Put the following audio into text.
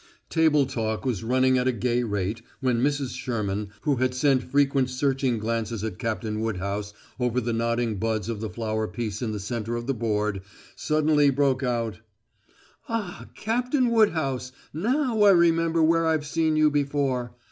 Table talk was running at a gay rate when Mrs. Sherman, who had sent frequent searching glances at Captain Woodhouse over the nodding buds of the flower piece in the center of the board, suddenly broke out: "Ah, Captain Woodhouse, now I remember where I've seen you before!